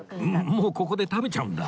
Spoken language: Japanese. もうここで食べちゃうんだ